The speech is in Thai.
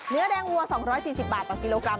เนื้อแดงวัว๒๔๐บาทต่อกิโลกรัม